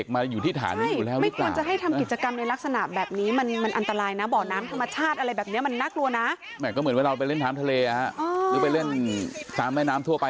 ไปเล่นท้ามทะเลหรือไปเล่นท้ามแม่น้ำทั่วไป